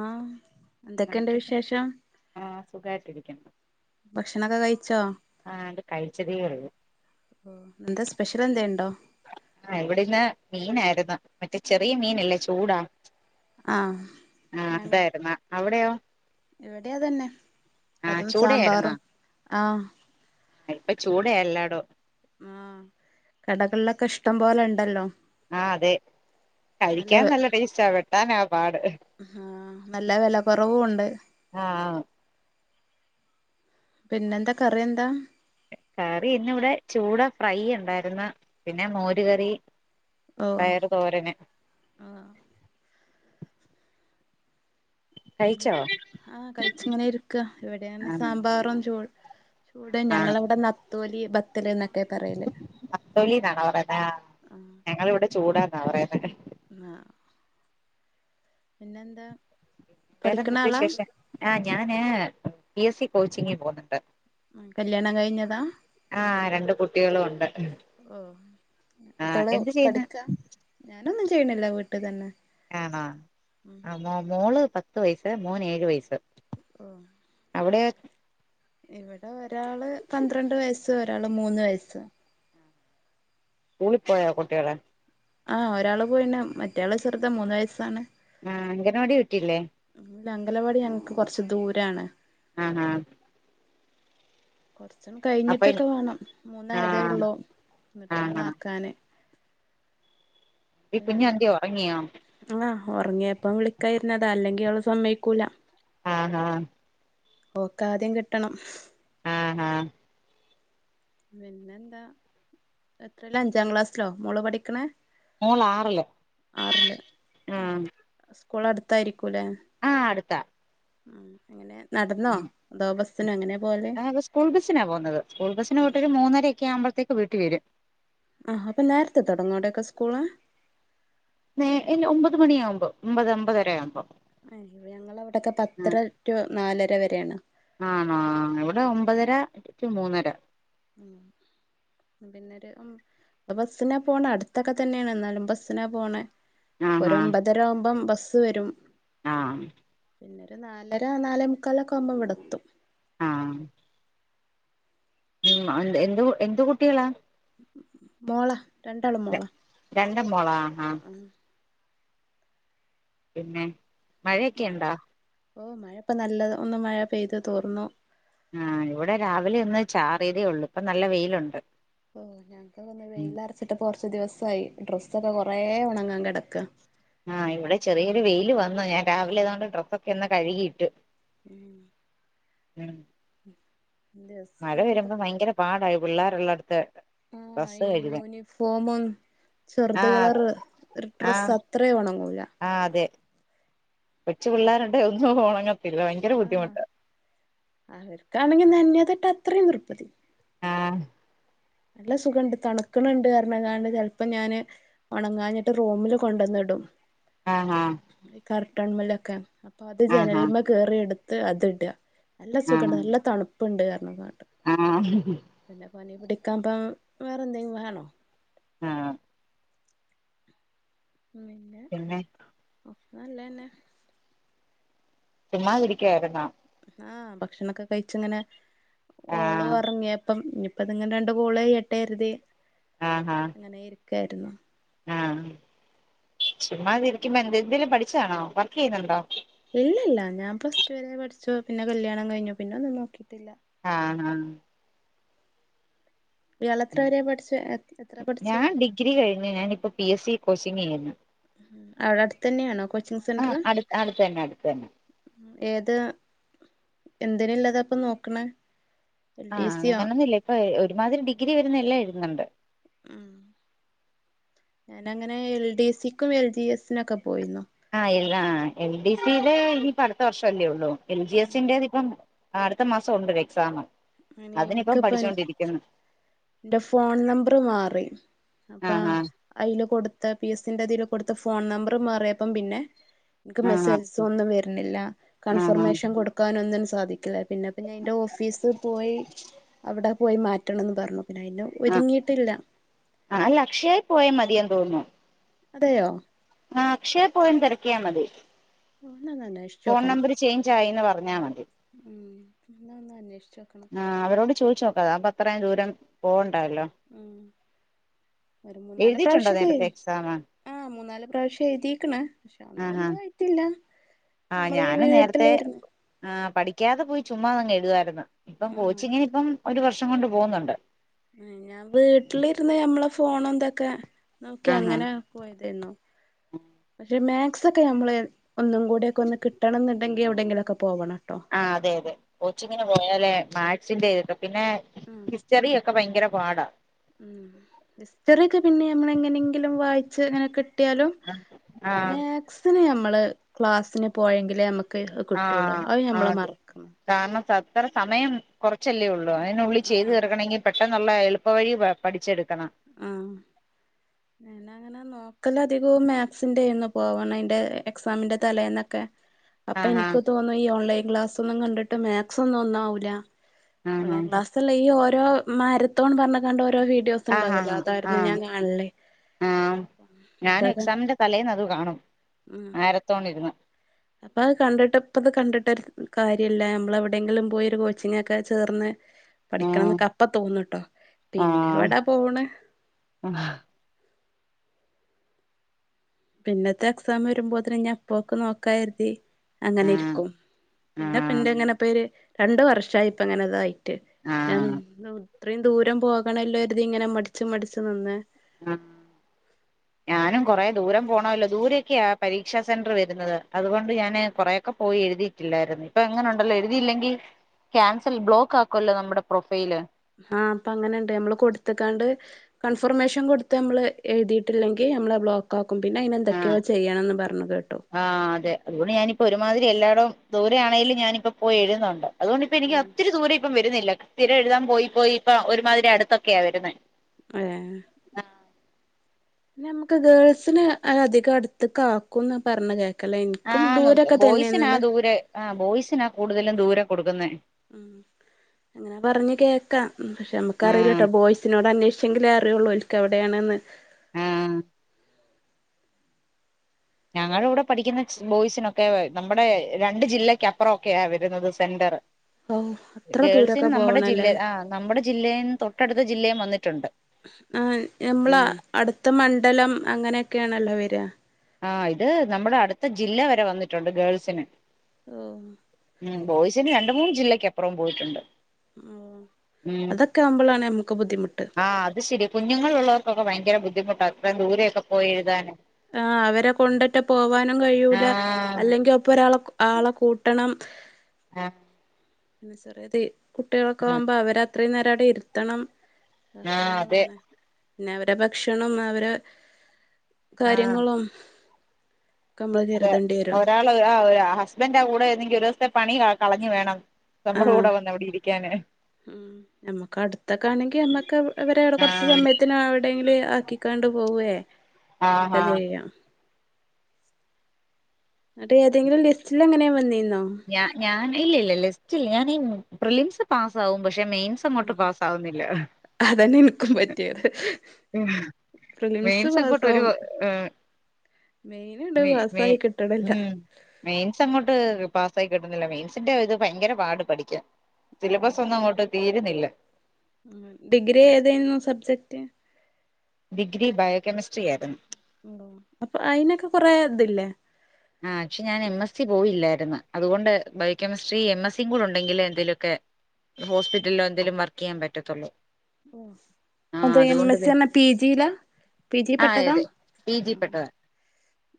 ആഹ് എന്തൊക്കെണ്ട് അനക്കി വിശേഷം ആഹ് സുഖായ്ട്ട് ഇരിക്ക്ന്ന് ഭക്ഷണൊക്കെ കഴിച്ചോ അത് കഴിച്ചതേ ഉള്ളൂ ഉം എന്താ സ്പെഷ്യെലെന്തേണ്ടോ ആഹ് ഇവിടെ ഇന്ന് മീനായ്ര്ന്ന് മറ്റേ ചെറിയ മീനില്ലേ ചൂടാ ആഹ് ആഹ് അതായ്ര്ന്നാ അവ്ടെയോ ഇവിടേം അതെന്നെ അതും സാമ്പാറും ആഹ് എഹ് ഇപ്പ ചൂടെയാ എല്ലാടോ ആഹ് കടകൾലൊക്കെ ഇഷ്ടം പോലെണ്ടെല്ലോ ആഹ് അതെ കഴിക്കാൻ നല്ല ടേസ്റ്റാ വെട്ടാനാ പാട് ആഹ് നല്ല വില കുറവുണ്ട് ആആഹ് പിന്നെന്താ കറി എന്താ? കറി ഇന്ന് വിടെ ചൂട ഫ്രൈ ഉണ്ടായിരുന്നു. പിന്നെ മോര് കറി ഓഹ് പയറ് തോരന് ആഹ് കഴിച്ചോ ആഹ് കഴിച്ചിങ്ങനെ ഇരിക്ക. ആ ഇവിടെയാണ് സാമ്പാറും ചൂ - ചൂട് ആ ഞങ്ങളിവിടെ നത്തോലി ബത്തല് എന്നൊക്കെ പറയല്. നത്തോലിന്നാണോ പറയുന്നെ. ആഹ് ഞങ്ങളിവിടെ ചൂടാന്നാ പറയുന്ന. ആഹ് പിന്നെന്താ? വേറെന്ത പഠിക്കണ ക്കേ ആളാ വിശേഷം. ആഹ് ഞാന് പി എസ് സി കോച്ചിങ്ങ്ന് പോന്നുണ്ട്. കല്യാണം കഴിഞ്ഞതാ ആഹ് രണ്ട് കുട്ടികളുണ്ട്. ഓ ആഹ് കുട്ടികള് എന്ത് ചെയ്യുന്ന്? പഠിക്കാ ഞാനൊന്നും ചെയ്യണില്ല. വീട്ടിൽ തന്നെ. ആണോ ഉം ആ മോള് പത്ത് വയസ്സ്. മോന് ഏഴ് വയസ്സ്. ഉം അവിടെ ഇവിടെ ഒരാള് പന്ത്രണ്ട് വയസ്സ്. ഒരാള് മൂന്ന് വയസ്സ്. സ്കൂളിൽപ്പോയാ കുട്ടികള്. ആഹ് ഒരാള് പോയിണ്. മറ്റയാള് ചെറുത മൂന്ന് വയസ്സാണ്. ആഹ് അംഗനവാടി വിട്ടില്ലേ? ഇ അംഗലവാടി ഞങ്ങക്ക് കൊറച്ച് ദൂരാണ്. ആണോ. കുറച്ചും അപ്പൊ കഴിഞ്ഞിട്ടൊക്കെ വേണം. മൂന്നായതേ ആഹ് ഉള്ളൂ. എന്നിട്ട് ആഹ് വേണം ആഹ് ആക്കാന്. ടി കുഞ്ഞൻതിയേ ഉറങ്ങിയോ? ആഹ് ഉറങ്ങിയപ്പം വിളിക്കായിരുന്നതാ അല്ലെങ്കി അവള് സമ്മയിക്കൂല. ആഹ് ആഹ് ഓക്കാദ്യം കിട്ടണം. ആഹ് ആഹ് പിന്നെന്താ എത്രയ്ലാ അഞ്ചാം ക്ലാസ്സിലോ മോള് പഠിക്കണേ? മോളാറില് ആഹ് സ്കൂളടുത്തായിരിക്കൂലേ? ആഹ് അടുത്താ. ഉം എങ്ങനെ നടന്നോ അതോ ബസ്സിനോ എങ്ങനെ പോവല് ത് സ്കൂൾ ബസിന പോകുന്നത്. സ്കൂൾ ബസിന് ഉം പോയിട്ട് ഒരു മൂന്നര ഒക്കെ ആവുമ്പളത്തേക്ക് വീട്ടി വരും. ആഹ് അപ്പം നേരത്തെ തൊടങ്ങോ അവടൊക്കെ സ്കൂള്. നേ ഇല്ല ഒമ്പത് മണിയാവുമ്പോ. ഒമ്പത് ഒമ്പതെരയാവുമ്പോ. ആഹ് ഇവി ഞങ്ങളെവിടൊക്കെ പത്തര റ്റു നാലര വരെയാണ്. ആണോ. ഇവിടെ ഒമ്പതര റ്റു മൂന്നര ഉം ഉം പി നേരഹം പ്പോ ബസ്സിനാ പോണെ അടുത്തൊക്കെ തന്നെയാണ് എന്നാലും ബസ്സിനാ പോണേ അപ്പൊ ആഹ് ആഹ് ഒരൊമ്പതര ആവുമ്പം ബസ്സ് വരും. ആഹ് പിന്നൊരു നാലര നാലേ മുക്കാലൊക്കെ ആകുമ്പം ഇവിടെത്തും. ആഹ് ഉം എ എന്ത് എന്ത് കുട്ടികളാ. മോള രണ്ടാളും മോള. രണ്ടും മോളാണോ? ഉം പിന്നെ മഴയൊക്കെ ഇണ്ടോ? പ്പ നല്ലത് ഒന്ന് മഴ പെയ്തു തോർന്നു. ആഹ് ഇവിടെ രാവിലെ ഒന്ന് ചാറീതേ ഒള്ളൂ ഇപ്പൊ നല്ല വെയിലുണ്ട്. ഓഹ് ഞങ്ങക്ക് ഒന്ന് ഉം വെയിലറച്ചിട്ട് കുറച്ച് ദിവസായി ഡ്രസ്സൊക്കെ കൊറേ ഒണങ്ങാൻ കിടക്ക. ആഹ് ഇവിടെ ചെറിയൊരു വെയില് വന്നു ഞാൻ രാവിലെ അതോണ്ട് ഡ്രസ്സൊക്കെ ഒന്ന് കഴുകിയിട്ടു. ഉം ഉം ഉം മഴ വരുമ്പോ ഭയങ്കര പാടായി പിള്ളേരുള്ളടത്ത് ആ ഡ്രസ്സ്‌ കഴുകാൻ. യൂണിഫോമും ചെറുത്കളെ ഡ്രെസ്സ് ആഹ് ഒരു ഡ്രസ്സ് ആഹ് അത്രയും ഒണങ്ങൂല. ആഹ് അതെ കൊച്ചു പിള്ളേരുണ്ട് ഒന്നും ഒണങ്ങത്തില്ല ഭയങ്കര ആഹ് ബുദ്ധിമുട്ട. അവർക്കാണെങ്കി നനഞ്ഞത്ഇട്ട അത്രയും തിർപ്പതി. ആഹ് നല്ല സുഖണ്ട് തണുക്കണണ്ട് പറഞ് ങ്ങണ്ട്. ചെലപ്പോം ഞാന് ഒണങ്ങാഞ്ഞിട്ട് റൂമില് കൊണ്ടന്നിടും. ആഹ് ആഹ്. ഈ കർട്ടൺമലൊക്കെ അപ്പൊ അത് ആഹാ ജനൽമേ കേറി എടുത്ത് അത് ഇട. നല്ല ആഹ് സുഖണ്ട് നല്ല തണുപ്പ്ണ്ട് പറഞ്ഞങ്ങ ണ്ട്. ആഹ്. പിന്നെ പനി പിടിക്കാത വേറെന്തേലും വേണം. ആഹ്. ഉം പിന്നെ പിന്നെ ഒക്കെ നല്ലതന്നെ. ചുമ്മാതിരിക്കായിരുന്നോ. ആഹ് ഭക്ഷണൊക്കെ കഴിച്ചിങ്ങനെ ഓളും ആഹ് ഒറങ്ങിയപ്പം ഇനി അപ്പതിങ്ങനെ രണ്ട് കോളെയ്യട്ടെ കരുതി ആഹാ അങ്ങനെ ഇരിക്കായിരുന്നു. ആഹ് ചുമ്മാതിരിക്കുമ്പോ എന്തെങ്കിലും പഠിച്ചതണോ വർക്ക് ചെയ്യുന്നുണ്ടോ? ഇല്ലല്ല ഞാൻ പ്ലസ്ടു വരെ പഠിച്ചു പിന്നെ കല്യാണം കഴിഞ്ഞു പിന്നെ ഒന്നും നോക്കിയിട്ടില്ല. ആഹ് ആഹ് ഇയാളെത്ര വരെ പഠിച്ച് എത്ര പഠിച്ചു. ഞാൻ ഡിഗ്രി കഴിഞ്ഞ് ഞാനിപ്പോ പി എസ് സി കോച്ചിങ് ചെയ്യുന്നു അവിടെ അടുത്തന്നെയാണോ കോച്ചിങ് സെന്റർ. ആഹ് അടു അടുത്ത് തന്നെ അടുത്ത് തന്നെ ഏതഎന്തിനുള്ളത അപ്പൊ നോക്ക്ണ് ആഹ് അങ്ങനൊന്നും ഇല്ല ഇപ്പൊ ഒരുമാതിരി ഡിഗ്രി വരുന്ന എല്ലാം എയുതുനുട്. ഉ ഞാന് അങ്ങനെ എൽ ഡി എ സിക്കും എൽ ജി എസിനൊക്കെ പോയിരുന്നു. ആ എല്ല എൽ ഡി സി ഈ പം അടുത്ത വർഷം അല്ലേ ഉള്ളൂ എൽ ജി എസ്സിൻ്റെ അപ്പം അടുത്ത മാസം ഉണ്ട് എക്സാംമ്. അനി ഇനിക്ക്പ്പ [unintelligible] എന്റെ ഫോൺ നമ്പർ മാറി അപ്പൊ ആഹ് അതിൽ കൊടുത്ത പി എസ്സിന്റെ അതിൽ കൊടുത്ത ഫോൺ നമ്പർ മാറിയപ്പം. പിന്നെ എനിക്ക് ആഹ് ആഹ് മെസ്സേജ് സൊന്നും വരുന്നില്ല ആഹ് കൺഫർമേഷൻ കൊടുക്കാനൊന്നും സാധിക്കില്ല പിന്നെപ്പ ഞയ്ന്റെ ഓഫീസ് പോയി അവിടെ പോയി മാറ്റണംന്ന് പറഞ്ഞു പിന്നെ അയ്ന് ആഹ് ഒരുങ്ങിയിട്ടില്ല ആഹ് ലക്ഷയേ പോയ മതിയെന്ന് തോന്നുന്നു അതെയോ ആഹ് അക്ഷയ പോയിൻ തിരക്കിയാ മതി [unintelligible] ഫോൺ നമ്പറ് ചേഞ്ച് ആയിന്ന് പറഞ്ഞാ മതി ഉംന്നാന്നൊന്ന് അന്വേഷിച് നോക്കണം ആഹ് അവരോട് ചോയ്ച്ചു നോക്കാത അപ്പൊ അത്രയും ദൂരം പോവണ്ടല്ലോ ഉം ഒരു മൂന്നാല് എഴുതിയിട്ടുണ്ടോ പ്രാവശ്യക്കെ നേരത്തെ എക്സാം ആഹ് മൂന്നാല് പ്രാവശ്യം എഴുതിക്ണ് പക്ഷെ അന്നും ആഹ് എന്തും ആയിത്തില്ല ആഹ് നമ്മള ഈ ഞാന് നേരത്തെ വീട്ടിലേരുന്നു ആഹ് പഠിക്കാതെ പോയി ചുമ്മാന്നങ് എഴുതായിരുന്നു ഇപ്പം ആഹ് കോച്ചിങ്ങിന് ഇപ്പം ഒരു വർഷം കൊണ്ട് പോകുന്നുണ്ട് ഞാൻ വീട്ടിലിരുന്ന് ഞമ്മളെ ഫോണും തൊക്കെ നോക്കി ആഹ് ആഹ് അങ്ങനെ പോയതേന്നു പക്ഷെ മാത് സ് ഒക്കെ നമ്മള് ഒന്നും കൂടിയൊക്കെ ഒന്ന് കിട്ടണം ന്നുണ്ടെങ്കി എവിടെെങ്കിലൊക്കെ പോവണട്ടോ ആഹ് അതെ അതെ കോച്ചിങ്ങിന് പോയാലെ മാത്സിന്റെതിട്ട പിന്നെ ഉം ഹിസ്റ്ററി ഒക്കെ ഭയങ്കര പാടാ ഉം ഹിസ്റ്ററിയൊക്കെ പിന്നെ നമ്മള എങ്ങനെങ്കിലും വായിച്ച് അങ്ങനെക്കെ ട്ട്യാലും ആഹ് മാത്സിന് നമ്മള് ക്ലാസിന് പോയെങ്കിലേ നമ ക്കെഹ് കിട്ടുള്ളൂ ആഹ് അഹ് നമ്മള് ആഹ് മറക്കുന്നു കാരണം ച്ചത്ര സമയം കൊറച്ചല്ലേ ഉള്ളൂ അയിനുള്ളിൽ ചെയ്ത് ആഹ് തീർക്കണങ്കിൽ പെട്ടെന്നുള്ള എളുപ്പ വഴി പഠിച്ചെടുക്കണം ആഹ് ഞാനങ്ങനെന്നൊ നോക്കല് അധികും മാത്സിന്റെ ഒന്ന് പോവണം അയ്ന്റെ എക്സാമിന്റെ തലേന്നൊക്കെ അപ്പ ആഹ് എൻക്ക് തോന്നു ഈ ഓൺലൈൻ ക്ലാസ് ഒന്നും കണ്ടിട്ട് മാത്സ് ഒന്നും ഒന്നാവൂല ആഹ് ഓൺലൈൻ ആഹ് ക്ലാസ് സ്സ്ള്ള ഈ ഓരോ മരത്തോൺ പറഞ് കാണ്ട് ഓരോ വീഡിയോസ് ആഹ് ണ്ടാവല്ലോ ആഹ് അതായിരുന്നു ആഹ് ഞാൻ കാണല് ആഹ് ഞാനും എനിക്കത് എക്സാമിന്റെ തലേന്ന് അത് കാണും ഉം മാരത്തോണിര്ന്ന് അപ്പൊ അത് കണ്ടിട്ട ഇപ്പത് കണ്ടിട്ടരു കാര്യല്ല നമ്മള എവിടെങ്കിലും പോയി ഒരു കോച്ചിങ്ങൊക്കെ ചേർന്ന് ഉം പഠിക്കണംന്നൊക്കെ അപ്പ തോന്നുട്ടോ പിന്നെ ആഹ് എവിടാ പോണ് [unintelligible] പിന്നത്തെ എക്സാം വരുമ്പോത് ന് ഞഅപ്പൊക്കെ നോക്കാര്തി അങ്ങനെ ആഹ് ഇരിക്കും പിന്നെ ആഹ് പിന്റെ ഇങ്ങനെപ്പര് രണ്ടു വർഷയിപ്പ അങ്ങനെ ഇതായി റ്റ് ഞാൻ ആഹ് ഇത്രീം ദൂരം പോകണല്ലോ രിതി ഇങ്ങനെ മടിച്ചു മടിച് നിന്ന് ആഹ് ഉ ഞാനും കൊറെ ദൂരം പോണല്ലോ ദൂരൊക്കെയാ പരീക്ഷാ സെന്റർ വരുന്നത് അതുകൊണ്ട് ഞാന് കൊറെക്കെ പോയി എഴുതി റ്റില്ലായിരുന്നു ഇപ്പൊ എങ്ങനെണ്ടല്ലോ എയുതിയില്ലെങ്കി ക്യാൻസൽ ബ്ലോക്ക് ആക്കല്ലോ നമ്മുടെ പ്രൊഫൈല് ആഹ് അപ്പൊ അങ്ങനെണ്ട് നമ്മള് കൊടുത്ക്കാണ്ട് കൺഫർമേഷൻ കൊടുത്ത് നമ്മൾ എഴുതിയിട്ടില്ലെങ്കി നമ്മളെ ബ്ലോക്ക് ക്കാക്കും പിന്നെ അയ്നെ ആഹ് എന്തൊക്കെയോ ചെയ്യണംന്ന് പറഞ്ഞു കേട്ടു ആഹ് അതെ അത്കൊണ്ട് ഞാനിപ്പോ ഒരുമാതിരി എല്ലാടോം ദൂര ആണെലും ഞാനിപ്പോ പോയി എഴ്‌തുന്നോണ്ട് അതുകൊണ്ടിപ്പ എനിക്ക് ഉം ഒത്തിരി ദൂരം ഇപ്പം വരുന്നില്ല സ്ഥിര എഴുതാം പോയി പോയി ഇപ്പ ഒരുമാതിരി അടുത്തൊക്കെയ വെരുന്നെ അതെ പിന്ന നമ്മക്ക് ഗേൾസസ്ന് അ അധികം അടുത്ത്ക് ആക്കുംന്ന് പറഞ്ഞ കേ അല്ല എനിക്കും ദൂരൊക്ക തന്നെയാന്നല്ല ആഹ് ബോയ്സ്നാ കൂടുതലും ദൂരം കൊട്ക്ക്ന്നേ ഉം പറഞ്ഞ് കേക്കാം പക്ഷെ നമ്ക്കറീല്ല ആഹ് ട്ടോ ബോയ്സ്നോട് അന്വേഷ് ചിങ്കിലേ അറിയൊള്ളൂ ഒല്ക്ക് എവിടെയാണെന്ന് ആഹ് ഞങ്ങട ഇവ്ട പഠിക്കുന്ന ച് ബോയ്സ്നൊക്കെ നമ്മടെ രണ്ട് ജില്ലക്ക് അപ്പറോക്കെയ വെരുന്നത് സെന്ററ് ഔ അത്ര ദൂരൊക്കെ ഗേൾസ്ന് നമ്മട പോവണല്ലേ ജില്ല ആഹ് നമ്മട ജില്ലേന്ന് തൊട്ടടുത്ത ജില്ലേം വന്നിട്ടുണ്ട് ആഹ് ഞമ്മള ഉം അട്ത്ത മണ്ഡലം അങ്ങനെക്കയാണല്ലോ വെരാ ആഹ് ഇത് നമ്മട അട്ത്ത ജില്ല വെരെ വന്നിട്ടുണ്ട് ഗേൾസിന് ഓഹ് ഉം ബോയ്സ്ന് രണ്ട് മൂന്ന് ജില്ലക്ക് അപ്പറം പോയിട്ടുണ്ട് ഉം അതൊക്ക ആവ്മ്പളാണ് ഞമ്മക്ക് ബുദ്ധിമുട്ട് ആഹ് അത് ശരി കുഞ്ഞുങ്ങളുള്ളൊർക്കൊക്ക ഭയങ്കര ബുദ്ധിമുട്ട അത്രേം ദൂരെയൊക്ക പോയി എഴുതാന് ആഹ് അവരെ കൊണ്ട്ട്ട് പോവാനും കഴിയൂല ആഹ് അല്ലെങ്കി ഒപ്പ ഒരാളെ ആള കൂട്ടണം ആഹ് ചെറിയത് കുട്ടികളെക്ക ആവുമ്പം അവരെ അത്രേം നേര അവ്ടെ ഇരുത്തണം ആഹ് അതെ പിന്ന അവര ഭക്ഷണം അവര് ആഹ് കാര്യങ്ങളും ഒക്കെ നമ്മള് അതെ കരുതേണ്ടി വരും ഒരാള് ആ ഹസ്ബന്റാ കൂട വെര്ന്നെങ്കി ഒര് ദോസത്തെ പണി കള കളഞ്ഞ് വേണം നമ്മട കൂട വന്ന് അവ്ടിരിക്കാന് ആഹ് ഞമ്മക്ക് അടുത്തെക്ക ആണെങ്കി ഞമ്മക്ക് ഇവരെട കൊറച്ച് ആഹ് സമയത്തിന് അ എവിടെങ്കിലും ആക്കിക്കാണ്ട് പോവ്വേ നിനക്കത് ആഹ് ചെയ്യാം അതെ ഏതെങ്കിലും ലിസ്റ്റിലെങ്ങനെ വന്നീന്നോ ഞാ ഞാൻ ഇല്ലില്ല ലിസ്റ്റ്ല്ല ഞാനെ പ്രിലിംസ് പാസ്സാവും പക്ഷെ മെയിൻസ് അതങ്ങോട്ട് ആഹ് പാസ്സാവുന്നില്ല അതന്നെ എനിക്കും പറ്റിയത് പ്രിലിംസ് മെയിൻസ് അങ്ങോട്ട് ഒരു പാസ്സാവും ഉം മെയിനണ്ട് മെ മെ പാസ്സായി കിട്ടണില്ല ഉം മെയിൻസ് അങ്ങോട്ട് പാസ്സായി കിട്ടുന്നില്ല മെയിൻസിന്റ ഇത് ഭയങ്കര പാട് പഠിക്കാൻ സിലബസ് ഒന്നു അങ്ങോട്ട് തീരുന്നില്ല ഡിഗ്രി ഏതായ്ന്നു സബ്ജെക്റ്റ് ഡിഗ്രി ബയോകെമിസ്ട്രി ആര്ന്ന് അപ്പ അയിനെക്ക കൊറെ ഇത് ല്ലേ ആഹ് ക്ഷെ ഞാന് എം എസ് സി പോയില്ലാര്ന്ന് അത്കൊണ്ട് ബയോകെമിസ്ട്രി എം എസ് സിയും കൂട ഒണ്ടെങ്കിലെ എന്തേലു ഒക്കെ ഹോസ്പിറ്റല്ലോ എന്തേലും വർക്കെയ്യാൻ പറ്റത്തൊള്ളൂ അതെ M S C P G ലാ പി ജി ആ പെട്ടതാ അതെ പി ജി പെട്ടതാ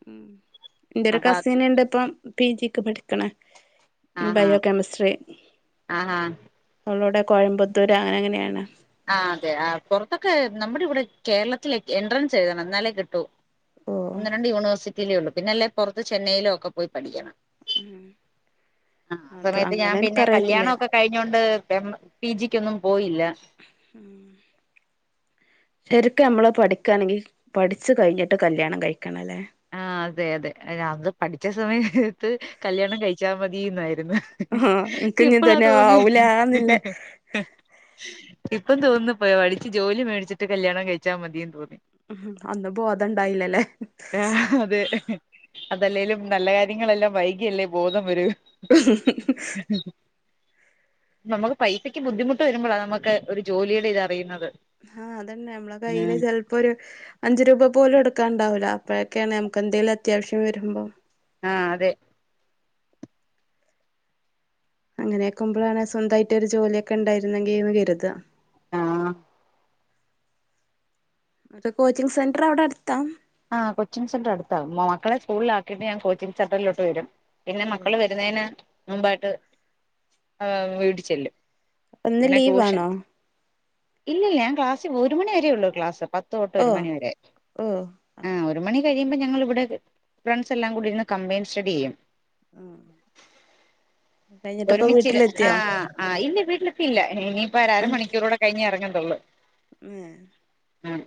ഉം എന്റൊര് അപ്പൊ കസിന്ണ്ട് ഇപ്പം പി ജീക്ക് പഠിക്കണ് ഉം ബയോകെമിസ്ട്രി ആഹ് ഹാ അവളെവ്ടെ കോയമ്പത്തൂര് അങ്ങന എങ്ങനെയാണ് ആഹ് അതെ അ പൊറത്തൊക്കെ നമ്മട ഇവ്ടെ കേരളത്തിലെക്കെ എൻട്രൻസ് എഴ്‌തണം എന്നാലെ കിട്ടൂ ഓ ഒന്ന് രണ്ട് യൂണ്വേഴ്സിറ്റിലേ ഒള്ളു പിന്ന അല്ലേ പൊറത്ത് ചെന്നൈയ്ലോ ഒക്ക പോയി പഠിക്കണം ആഹ് അത് സമയത്ത് അങ്ങനെ ഞാൻ പിന്നെ കല്യാണോ എനിക്കറിയത്തില്ലായിരുന്നു ഒക്ക കയ്ഞ്ഞോണ്ട് പേം പി ജിക്കൊന്നും പോയില്ല ഉം ശരിക്ക് നമ്മള് പഠിക്കാണെങ്കി പഠിച്ച് കഴിഞ്ഞിട്ട് കല്യാണം കഴിക്കണ ലേ ആ അതെയതെ അന്ന് പഠിച്ച സമയത്ത് കല്യാണം കഴിച്ചാ മതീന്നായിര്ന്ന് ആഹ് എനിക്ക് ഇനി ഇപ്പളാ ഇതന്നെ തോന്നിയെ ആവൂലാന്നില്ല ഇപ്പം തോന്നുന്ന്പ്പോ പഠിച്ച് ജോലി മേടിച്ചിട്ട് കല്യാണം കഴിച്ചാ മതീന്ന് തോന്നി അന്ന് ബോതണ്ടായില്ല ലെ ആഹ് അത് അതല്ലേലും നല്ല കാര്യങ്ങളെല്ലാം വൈകിയല്ലേ ബോധംവരൂ ഹ്-ഹ്-ഹ്-ഹ് [unintelligible] നമ്മക്ക് പൈസക്ക് ബുദ്ധിമുട്ട് വരുമ്പളാ നമ്മക്ക് ഒരു ജോലിയുടെ ഇതറിയുന്നത് ആഹ് അതന്നെ നമ്മളെ കയ്യില് ചെൽ പ്പൊര് അഞ്ച് രൂപ പോലും എടുക്കാൻ ണ്ടാവൂല്ല അപ്പോഴൊക്കെയാണ് നമുക്കെന്തെലും അത്യാവശ്യം വരുമ്പം ആഹ് അതെ അങ്ങനെയ്ക്കുമ്പളാണ് സ്വന്തായിട്ടൊരു ജോലിയൊക്കെ ണ്ടായിരുന്നെങ്കീന്ന് കരുത ആഹ് അട്ത്തെ കോച്ചിങ്ങ് സെന്ററവിടട്ത്താ ആഹ് കൊച്ചിങ്ങ് സെന്ററടുത്താ മക്കളെ സ്കൂളിലാക്കിട്ട് ഞാൻ കോച്ചിങ്ങ് സെന്ററിലോട്ട് വരും പിന്നെ ആഹ് മക്കള് വരുന്നേയിന് മുമ്പായിട്ട് വീട്ടി ചെല്ലും ഇന്ന് അനെ ട്യൂഷൻ ലീവാണോ ഇല്ലല്ല ഞാൻ ക്ലാസ്സി ഒരു മണി വരെയുള്ളൂ ക്ലാസ്സ് പ ത്ത് തൊട്ട് ഓ ഒരു മണിവരെ ഓ ആഹ് ഒരു മണി കഴിയുമ്പം ഞങ്ങളിവിടെ ഫ്രണ്ട്സെല്ലാം കൂടി ഇരുന്ന് കംപെയിൻ സ്റ്റഡി യ്യും ആഹ് കഴിഞ്ഞിട്ടിപ്പോ ഒരുമിച്ചിര് വീട്ടിലെത്തിയോ ആഹ് ആഹ് ഇല്ല വീട്ടിലത്തിയില്ല ഇനിയിപ്പ ര അര മണിക്കൂറ് കൂടെ കഴിഞ്ഞേ എറങ്ങത്തുള്ളൂ മ് ഏ ആണ്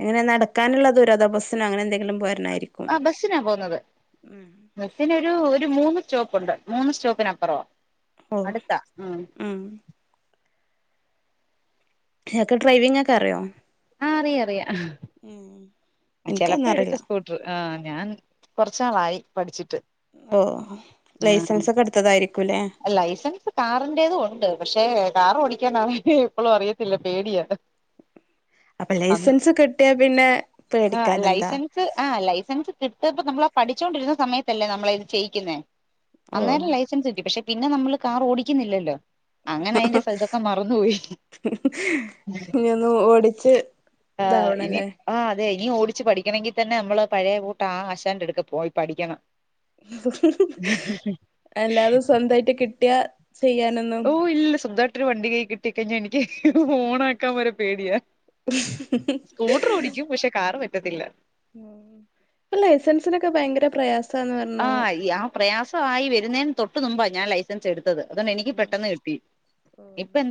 എങ്ങനെ നടക്കാന്ള്ള ദൂരോ അതോ ബസ്സിനോ അങ്ങനെന്തെങ്കിലും പോര് ആഹ് ബസ്സിനാ പോകുന്നത് ഉം ബസ്സിനൊരു ഒരു മൂന്ന് സ്റ്റോപ്പുണ്ട് മൂന്ന് സ്റ്റോപ്പിനപ്പുറവാ ഓ അടുത്താ ഉം ഇയാക്ക് ഡ്രൈവിങ്ങ് ക്കറിയോ ആഹ് അറിയറിയാ ഉം ചെലപ്പ എനിക്കതൊന്നും അറിയില്ല എട്ക്കും സ്കൂട്ടറ് ആഹ് ഞാൻ കൊറച്ച്നാളായി പഠിച്ചിട്ട് ഓഹ് ആഹ് ലൈസൻസൊക്കെ ട്ത്തതായിരിക്കുലേ ലൈസൻസ് കാറിന്റേതു ഉണ്ട് പക്ഷേ കാർ ഓടിക്കാൻ ആണ് ഇപ്പളു അറിയത്തില്ല പേടിയാ അപ്പം അന്ന് ലൈസൻസ് കിട്ടിയാ പിന്നെ പേടിക്കാനെന്താ സ് ആ ലൈസൻസ് കിട്ടിയപ്പൊ നമ്മളാ പഠിച്ചോണ്ടിരുന്ന സമയത്തല്ലേ നമ്മള ഇത് ചെയ്യിക്കുന്നെ അന്നേരം ഓ ലൈസൻസ് കിട്ടി പക്ഷെ പിന്നെ നമ്മള് കാർ ഓടിക്കുന്നില്ലല്ലോ അങ്ങനെ അയിന്റെ ഇതൊക്കെ മറന്നുപോയി ഇനിയൊന്ന് ഓടിച്ച് ഇതാവണം ലേ ആഹ് അതെ ഇനി ഓടിച്ച് പഠിക്കണെങ്കി തന്നെ നമ്മള് പഴയ കൂട്ടാ ആ ആശാന്റട്ക്കെ പോയി പഠിക്കണം അല്ലാതെ സ്വന്തായിട്ട് കിട്ടിയാ ചെയ്യാന് ഓ ഇല്ല സ്വന്തായിട്ടൊരു വണ്ടി കൈയ് കിട്ടി ക്കഴിഞ്ഞ എനിക്ക് ഓണാക്കാൻ വരെ പേടിയാ ഹ്-ഹ്-ഹ് സ്കൂട്ടറോടിക്കും പക്ഷെ കാറ് പറ്റത്തില്ല ഉം ഇപ്പ ലൈസൻസിനൊക്കെ ഭയങ്കര പ്രയാസ ആയി ആ പ്രയാസായി വരുന്നേന് തൊട്ട്ന്നുമ്പാ ഞാൻ ലൈ സൻസെട്ത്തത് അതുകൊണ്ട് എനിക്ക് ഉം പെട്ടെന്ന് കിട്ടി ഓഹ് ഇപ്പെന്തൊ